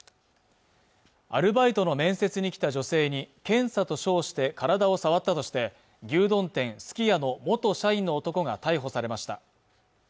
アルバイトの面接に来た女性に検査と称して体を触ったとして牛丼店すき家の元社員の男が逮捕されました